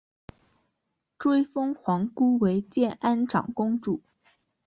追封皇姑为建安长公主。